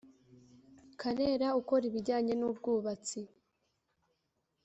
Karera ukora ibijyanye n’ubwubatsi